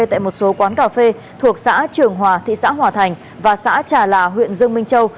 tại một số quán cà phê thuộc xã trường hòa thị xã hòa thành và xã trà là huyện dương minh châu